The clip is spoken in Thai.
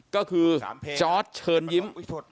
ก็คือจอร์ดเชิญยิ้ม